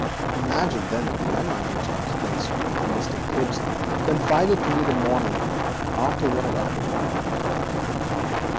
Imagine then the dilemma in which I was placed when Gibbes confided to me the morning after what had occurred the night before.